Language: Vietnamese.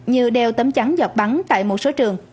như đeo tấm chắn giọt bắn tại một số trường